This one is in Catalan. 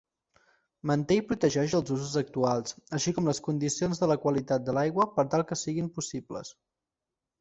Manté i protegeix els usos actuals, així com les condicions de la qualitat de l'aigua per tal que siguin possibles.